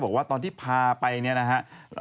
บอกว่าตอนที่พาไปเนี่ยนะฮะ